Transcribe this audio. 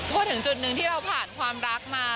พูดถึงจุดหนึ่งที่เราผ่านความรักมา